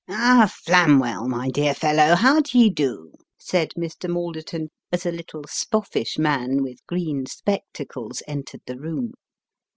" Ah ! Flamwell, my dear fellow, how d'ye do ?" said Mr. Malder ton, as a little spoffish man, with green spectacles, entered the room.